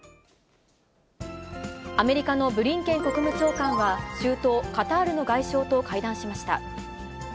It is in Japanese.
アメリカのブリンケン国務長官は、中東カタールの外相と会談しました。